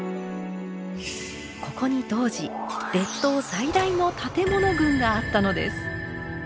ここに当時列島最大の建物群があったのです。